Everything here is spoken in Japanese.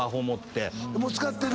もう使ってる？